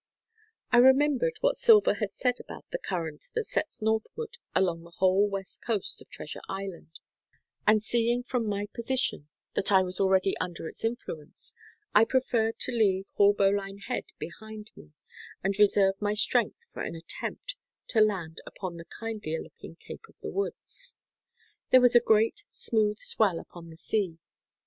I remembered what Silver had said about the current that sets northward along the whole west coast of Treasure Island; and seeing from my position that I was already under its influence, I preferred to leave Haulbowline Head behind me, and reserve my strength for an attempt to land upon the kindlier looking Cape of the Woods. There was a great, smooth swell upon the sea.